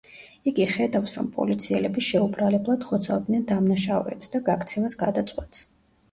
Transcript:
იგი ხედავს, რომ პოლიციელები შეუბრალებლად ხოცავდნენ დამნაშავეებს და გაქცევას გადაწყვეტს.